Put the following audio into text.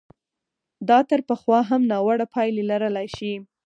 دا تر پخوا هم ناوړه پایلې لرلای شي.